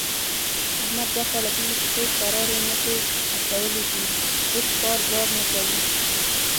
احمد دوه کاله کېږي په کور کرارې مټې اچولې دي، هېڅ کاروبار نه کوي.